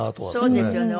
そうですよね。